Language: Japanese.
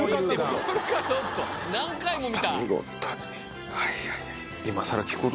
何回も見た。